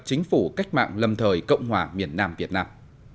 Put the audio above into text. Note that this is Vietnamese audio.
chính phủ cách mạng lâm thời cộng hòa miền nam việt nam